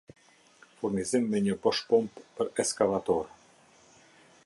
Furnizim me një boshpompë për eskavatorë